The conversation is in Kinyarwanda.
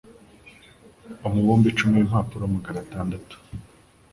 Umubumbe icumi w'impapuro magana atandatu